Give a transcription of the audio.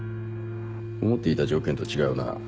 思っていた条件と違うな。